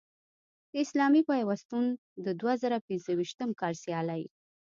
د اسلامي پیوستون د دوه زره پنځویشتم کال سیالۍ